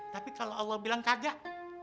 tapi kalau allah bilang kajah